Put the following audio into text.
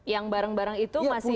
yang barang barang itu masih